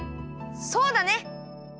そうだね！